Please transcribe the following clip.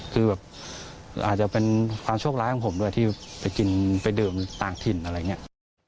คือแบบอาจจะเป็นความโชคร้ายของผมด้วยที่ไปกินไปดื่มต่างถิ่นอะไรอย่างนี้